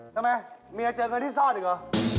ทำไมเมียเจอเงินที่ซ่อนอีกเหรอ